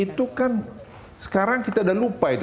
itu kan sekarang kita udah lupa itu